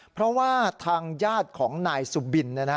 เพราะว่าทางญาติของนายสุบิน